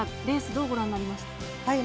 レース、どうご覧になりましたか。